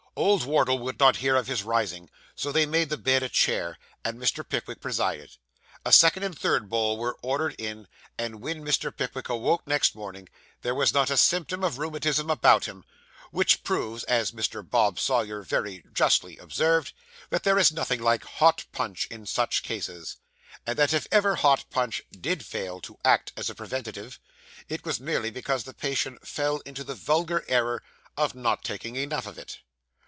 Old Wardle would not hear of his rising, so they made the bed the chair, and Mr. Pickwick presided. A second and a third bowl were ordered in; and when Mr. Pickwick awoke next morning, there was not a symptom of rheumatism about him; which proves, as Mr. Bob Sawyer very justly observed, that there is nothing like hot punch in such cases; and that if ever hot punch did fail to act as a preventive, it was merely because the patient fell into the vulgar error of not taking enough of it.